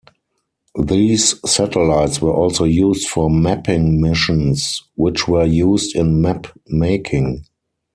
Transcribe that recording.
These satellites were also used for mapping missions, which were used in map making.